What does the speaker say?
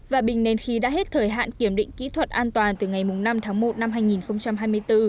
và bình nén khí đã hết thời hạn kiểm định kỹ thuật an toàn từ ngày năm tháng một năm hai nghìn hai mươi bốn